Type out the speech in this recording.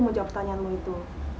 menjawab pertanyaanmu itu